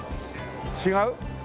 違う？